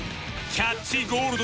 キャッチゴールド。